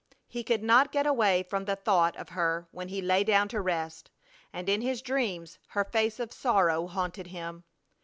He could not get away from the thought of her when he lay down to rest, and in his dreams her face of sorrow haunted him.